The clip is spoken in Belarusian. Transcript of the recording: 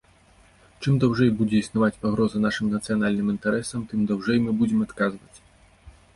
Чым даўжэй будзе існаваць пагроза нашым нацыянальным інтарэсам, тым даўжэй мы будзем адказваць.